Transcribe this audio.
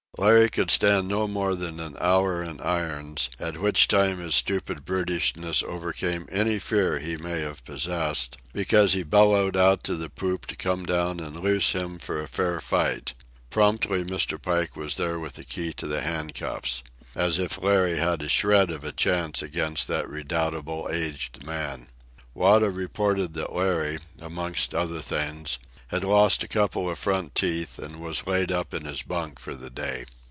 Larry could stand no more than an hour in irons, at which time his stupid brutishness overcame any fear he might have possessed, because he bellowed out to the poop to come down and loose him for a fair fight. Promptly Mr. Pike was there with the key to the handcuffs. As if Larry had the shred of a chance against that redoubtable aged man! Wada reported that Larry, amongst other things, had lost a couple of front teeth and was laid up in his bunk for the day.